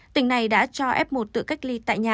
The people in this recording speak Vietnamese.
tỉnh này đã cho f một tự cách ly tại nhà